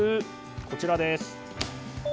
こちらです。